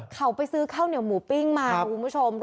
เขาไปซื้อข้าวเหนียวหมูปิ้งมาคุณผู้ชม